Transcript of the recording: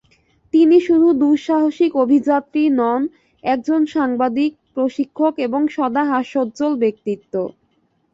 তিনি শুধু দুঃসাহসিক অভিযাত্রীই নন, একজন সাংবাদিক, প্রশিক্ষক এবং সদা হাস্যোজ্জ্বল ব্যক্তিত্ব।